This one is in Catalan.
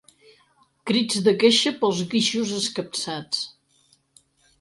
Crits de queixa pels guixos escapçats.